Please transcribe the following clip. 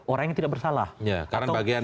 orang yang tidak bersalah ya karena bagian